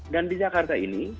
dan di jakarta ini